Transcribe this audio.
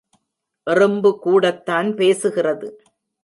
எறும்பு கூடத்தான் பேசுகிறது.